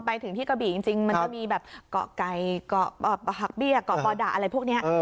ไปถึงที่กระบี่จริงมันจะมีแบบเกาะไก่เกาะหักเบี้ยเกาะปอดะอะไรพวกนี้